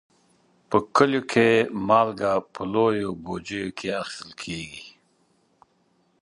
په کلیو کې مالګه په لویو بوجیو کې اخیستل کېږي.